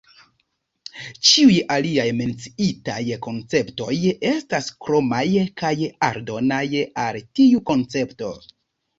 Ĉiuj aliaj menciitaj konceptoj estas kromaj kaj aldonaj al tiu koncepto.